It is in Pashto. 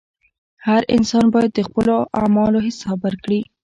• هر انسان باید د خپلو اعمالو حساب ورکړي.